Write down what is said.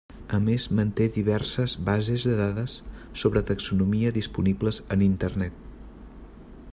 A més manté diverses bases de dades sobre taxonomia disponibles en internet.